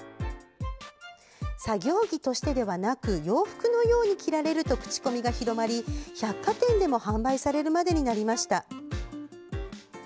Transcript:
作業着としてではなく洋服のように着られると口コミが広まり、百貨店でも販売されるまでになりました。